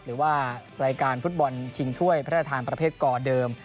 หรือว่ารายการฟุตบอลชิงถ้วยพระราชทานประเภทกอเดิม